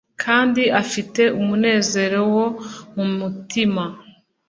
kandi ufite umunezero wo mu mutima,